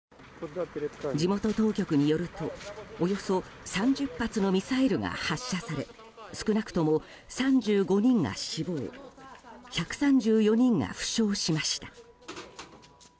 地元当局によるとおよそ３０発のミサイルが発射され少なくとも３５人が死亡１３４人が負傷しました。